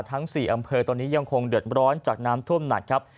ทั้ง๔อำเภอตอนนี้ยังคงเดือดร้อนจากน้ำท่วมหนักครับ